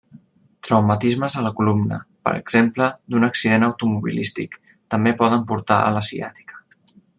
Traumatismes a la columna, per exemple d'un accident automobilístic, també poden portar a la ciàtica.